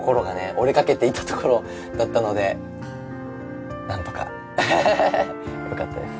折れかけていたところだったので何とかアハハよかったです